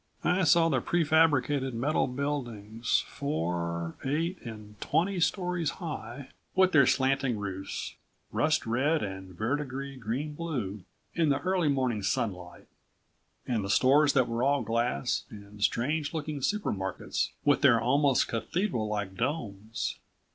I saw the prefabricated metal buildings, four, eight and twenty stories high, with their slanting roofs, rust red and verdigris green blue in the early morning sunlight and the stores that were all glass and the strange looking supermarkets with their almost cathedral like domes.